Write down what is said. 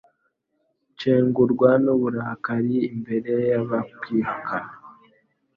Nshengurwa n’uburakari imbere y’abakwihakana